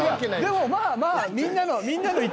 でもまあまあ。